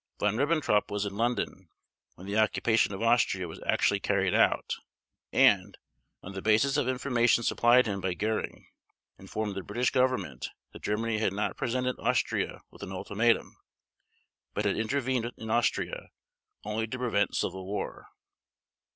Von Ribbentrop was in London when the occupation of Austria was actually carried out and, on the basis of information supplied him by Göring, informed the British Government that Germany had not presented Austria with an ultimatum, but had intervened in Austria only to prevent civil war.